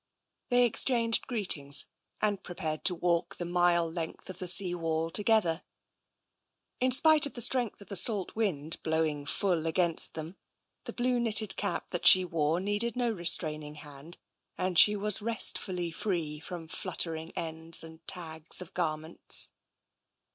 They exchanged greetings and prepared to walk the mile length of the sea wall together. In spite of the strength of the salt wind blowing full against them, the blue knitted cap that she wore needed no restraining hand, and she was restfuUy free from fluttering ends and tags of garments.